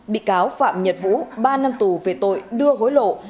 bị cáo phạm nhật vũ ba năm tù về tội đưa hối lộ